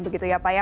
begitu ya pak ya